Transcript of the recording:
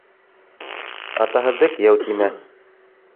Атаһыҙҙы «кейәү» тимә.